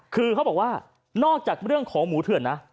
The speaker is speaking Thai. คือเขาบอกว่านอกจากเรื่องของหมูเถื่อนนะ